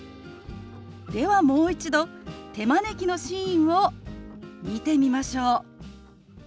ではもう一度手招きのシーンを見てみましょう。